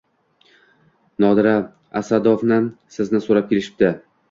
Nodira Asadovna, sizni so`rab kelishibdi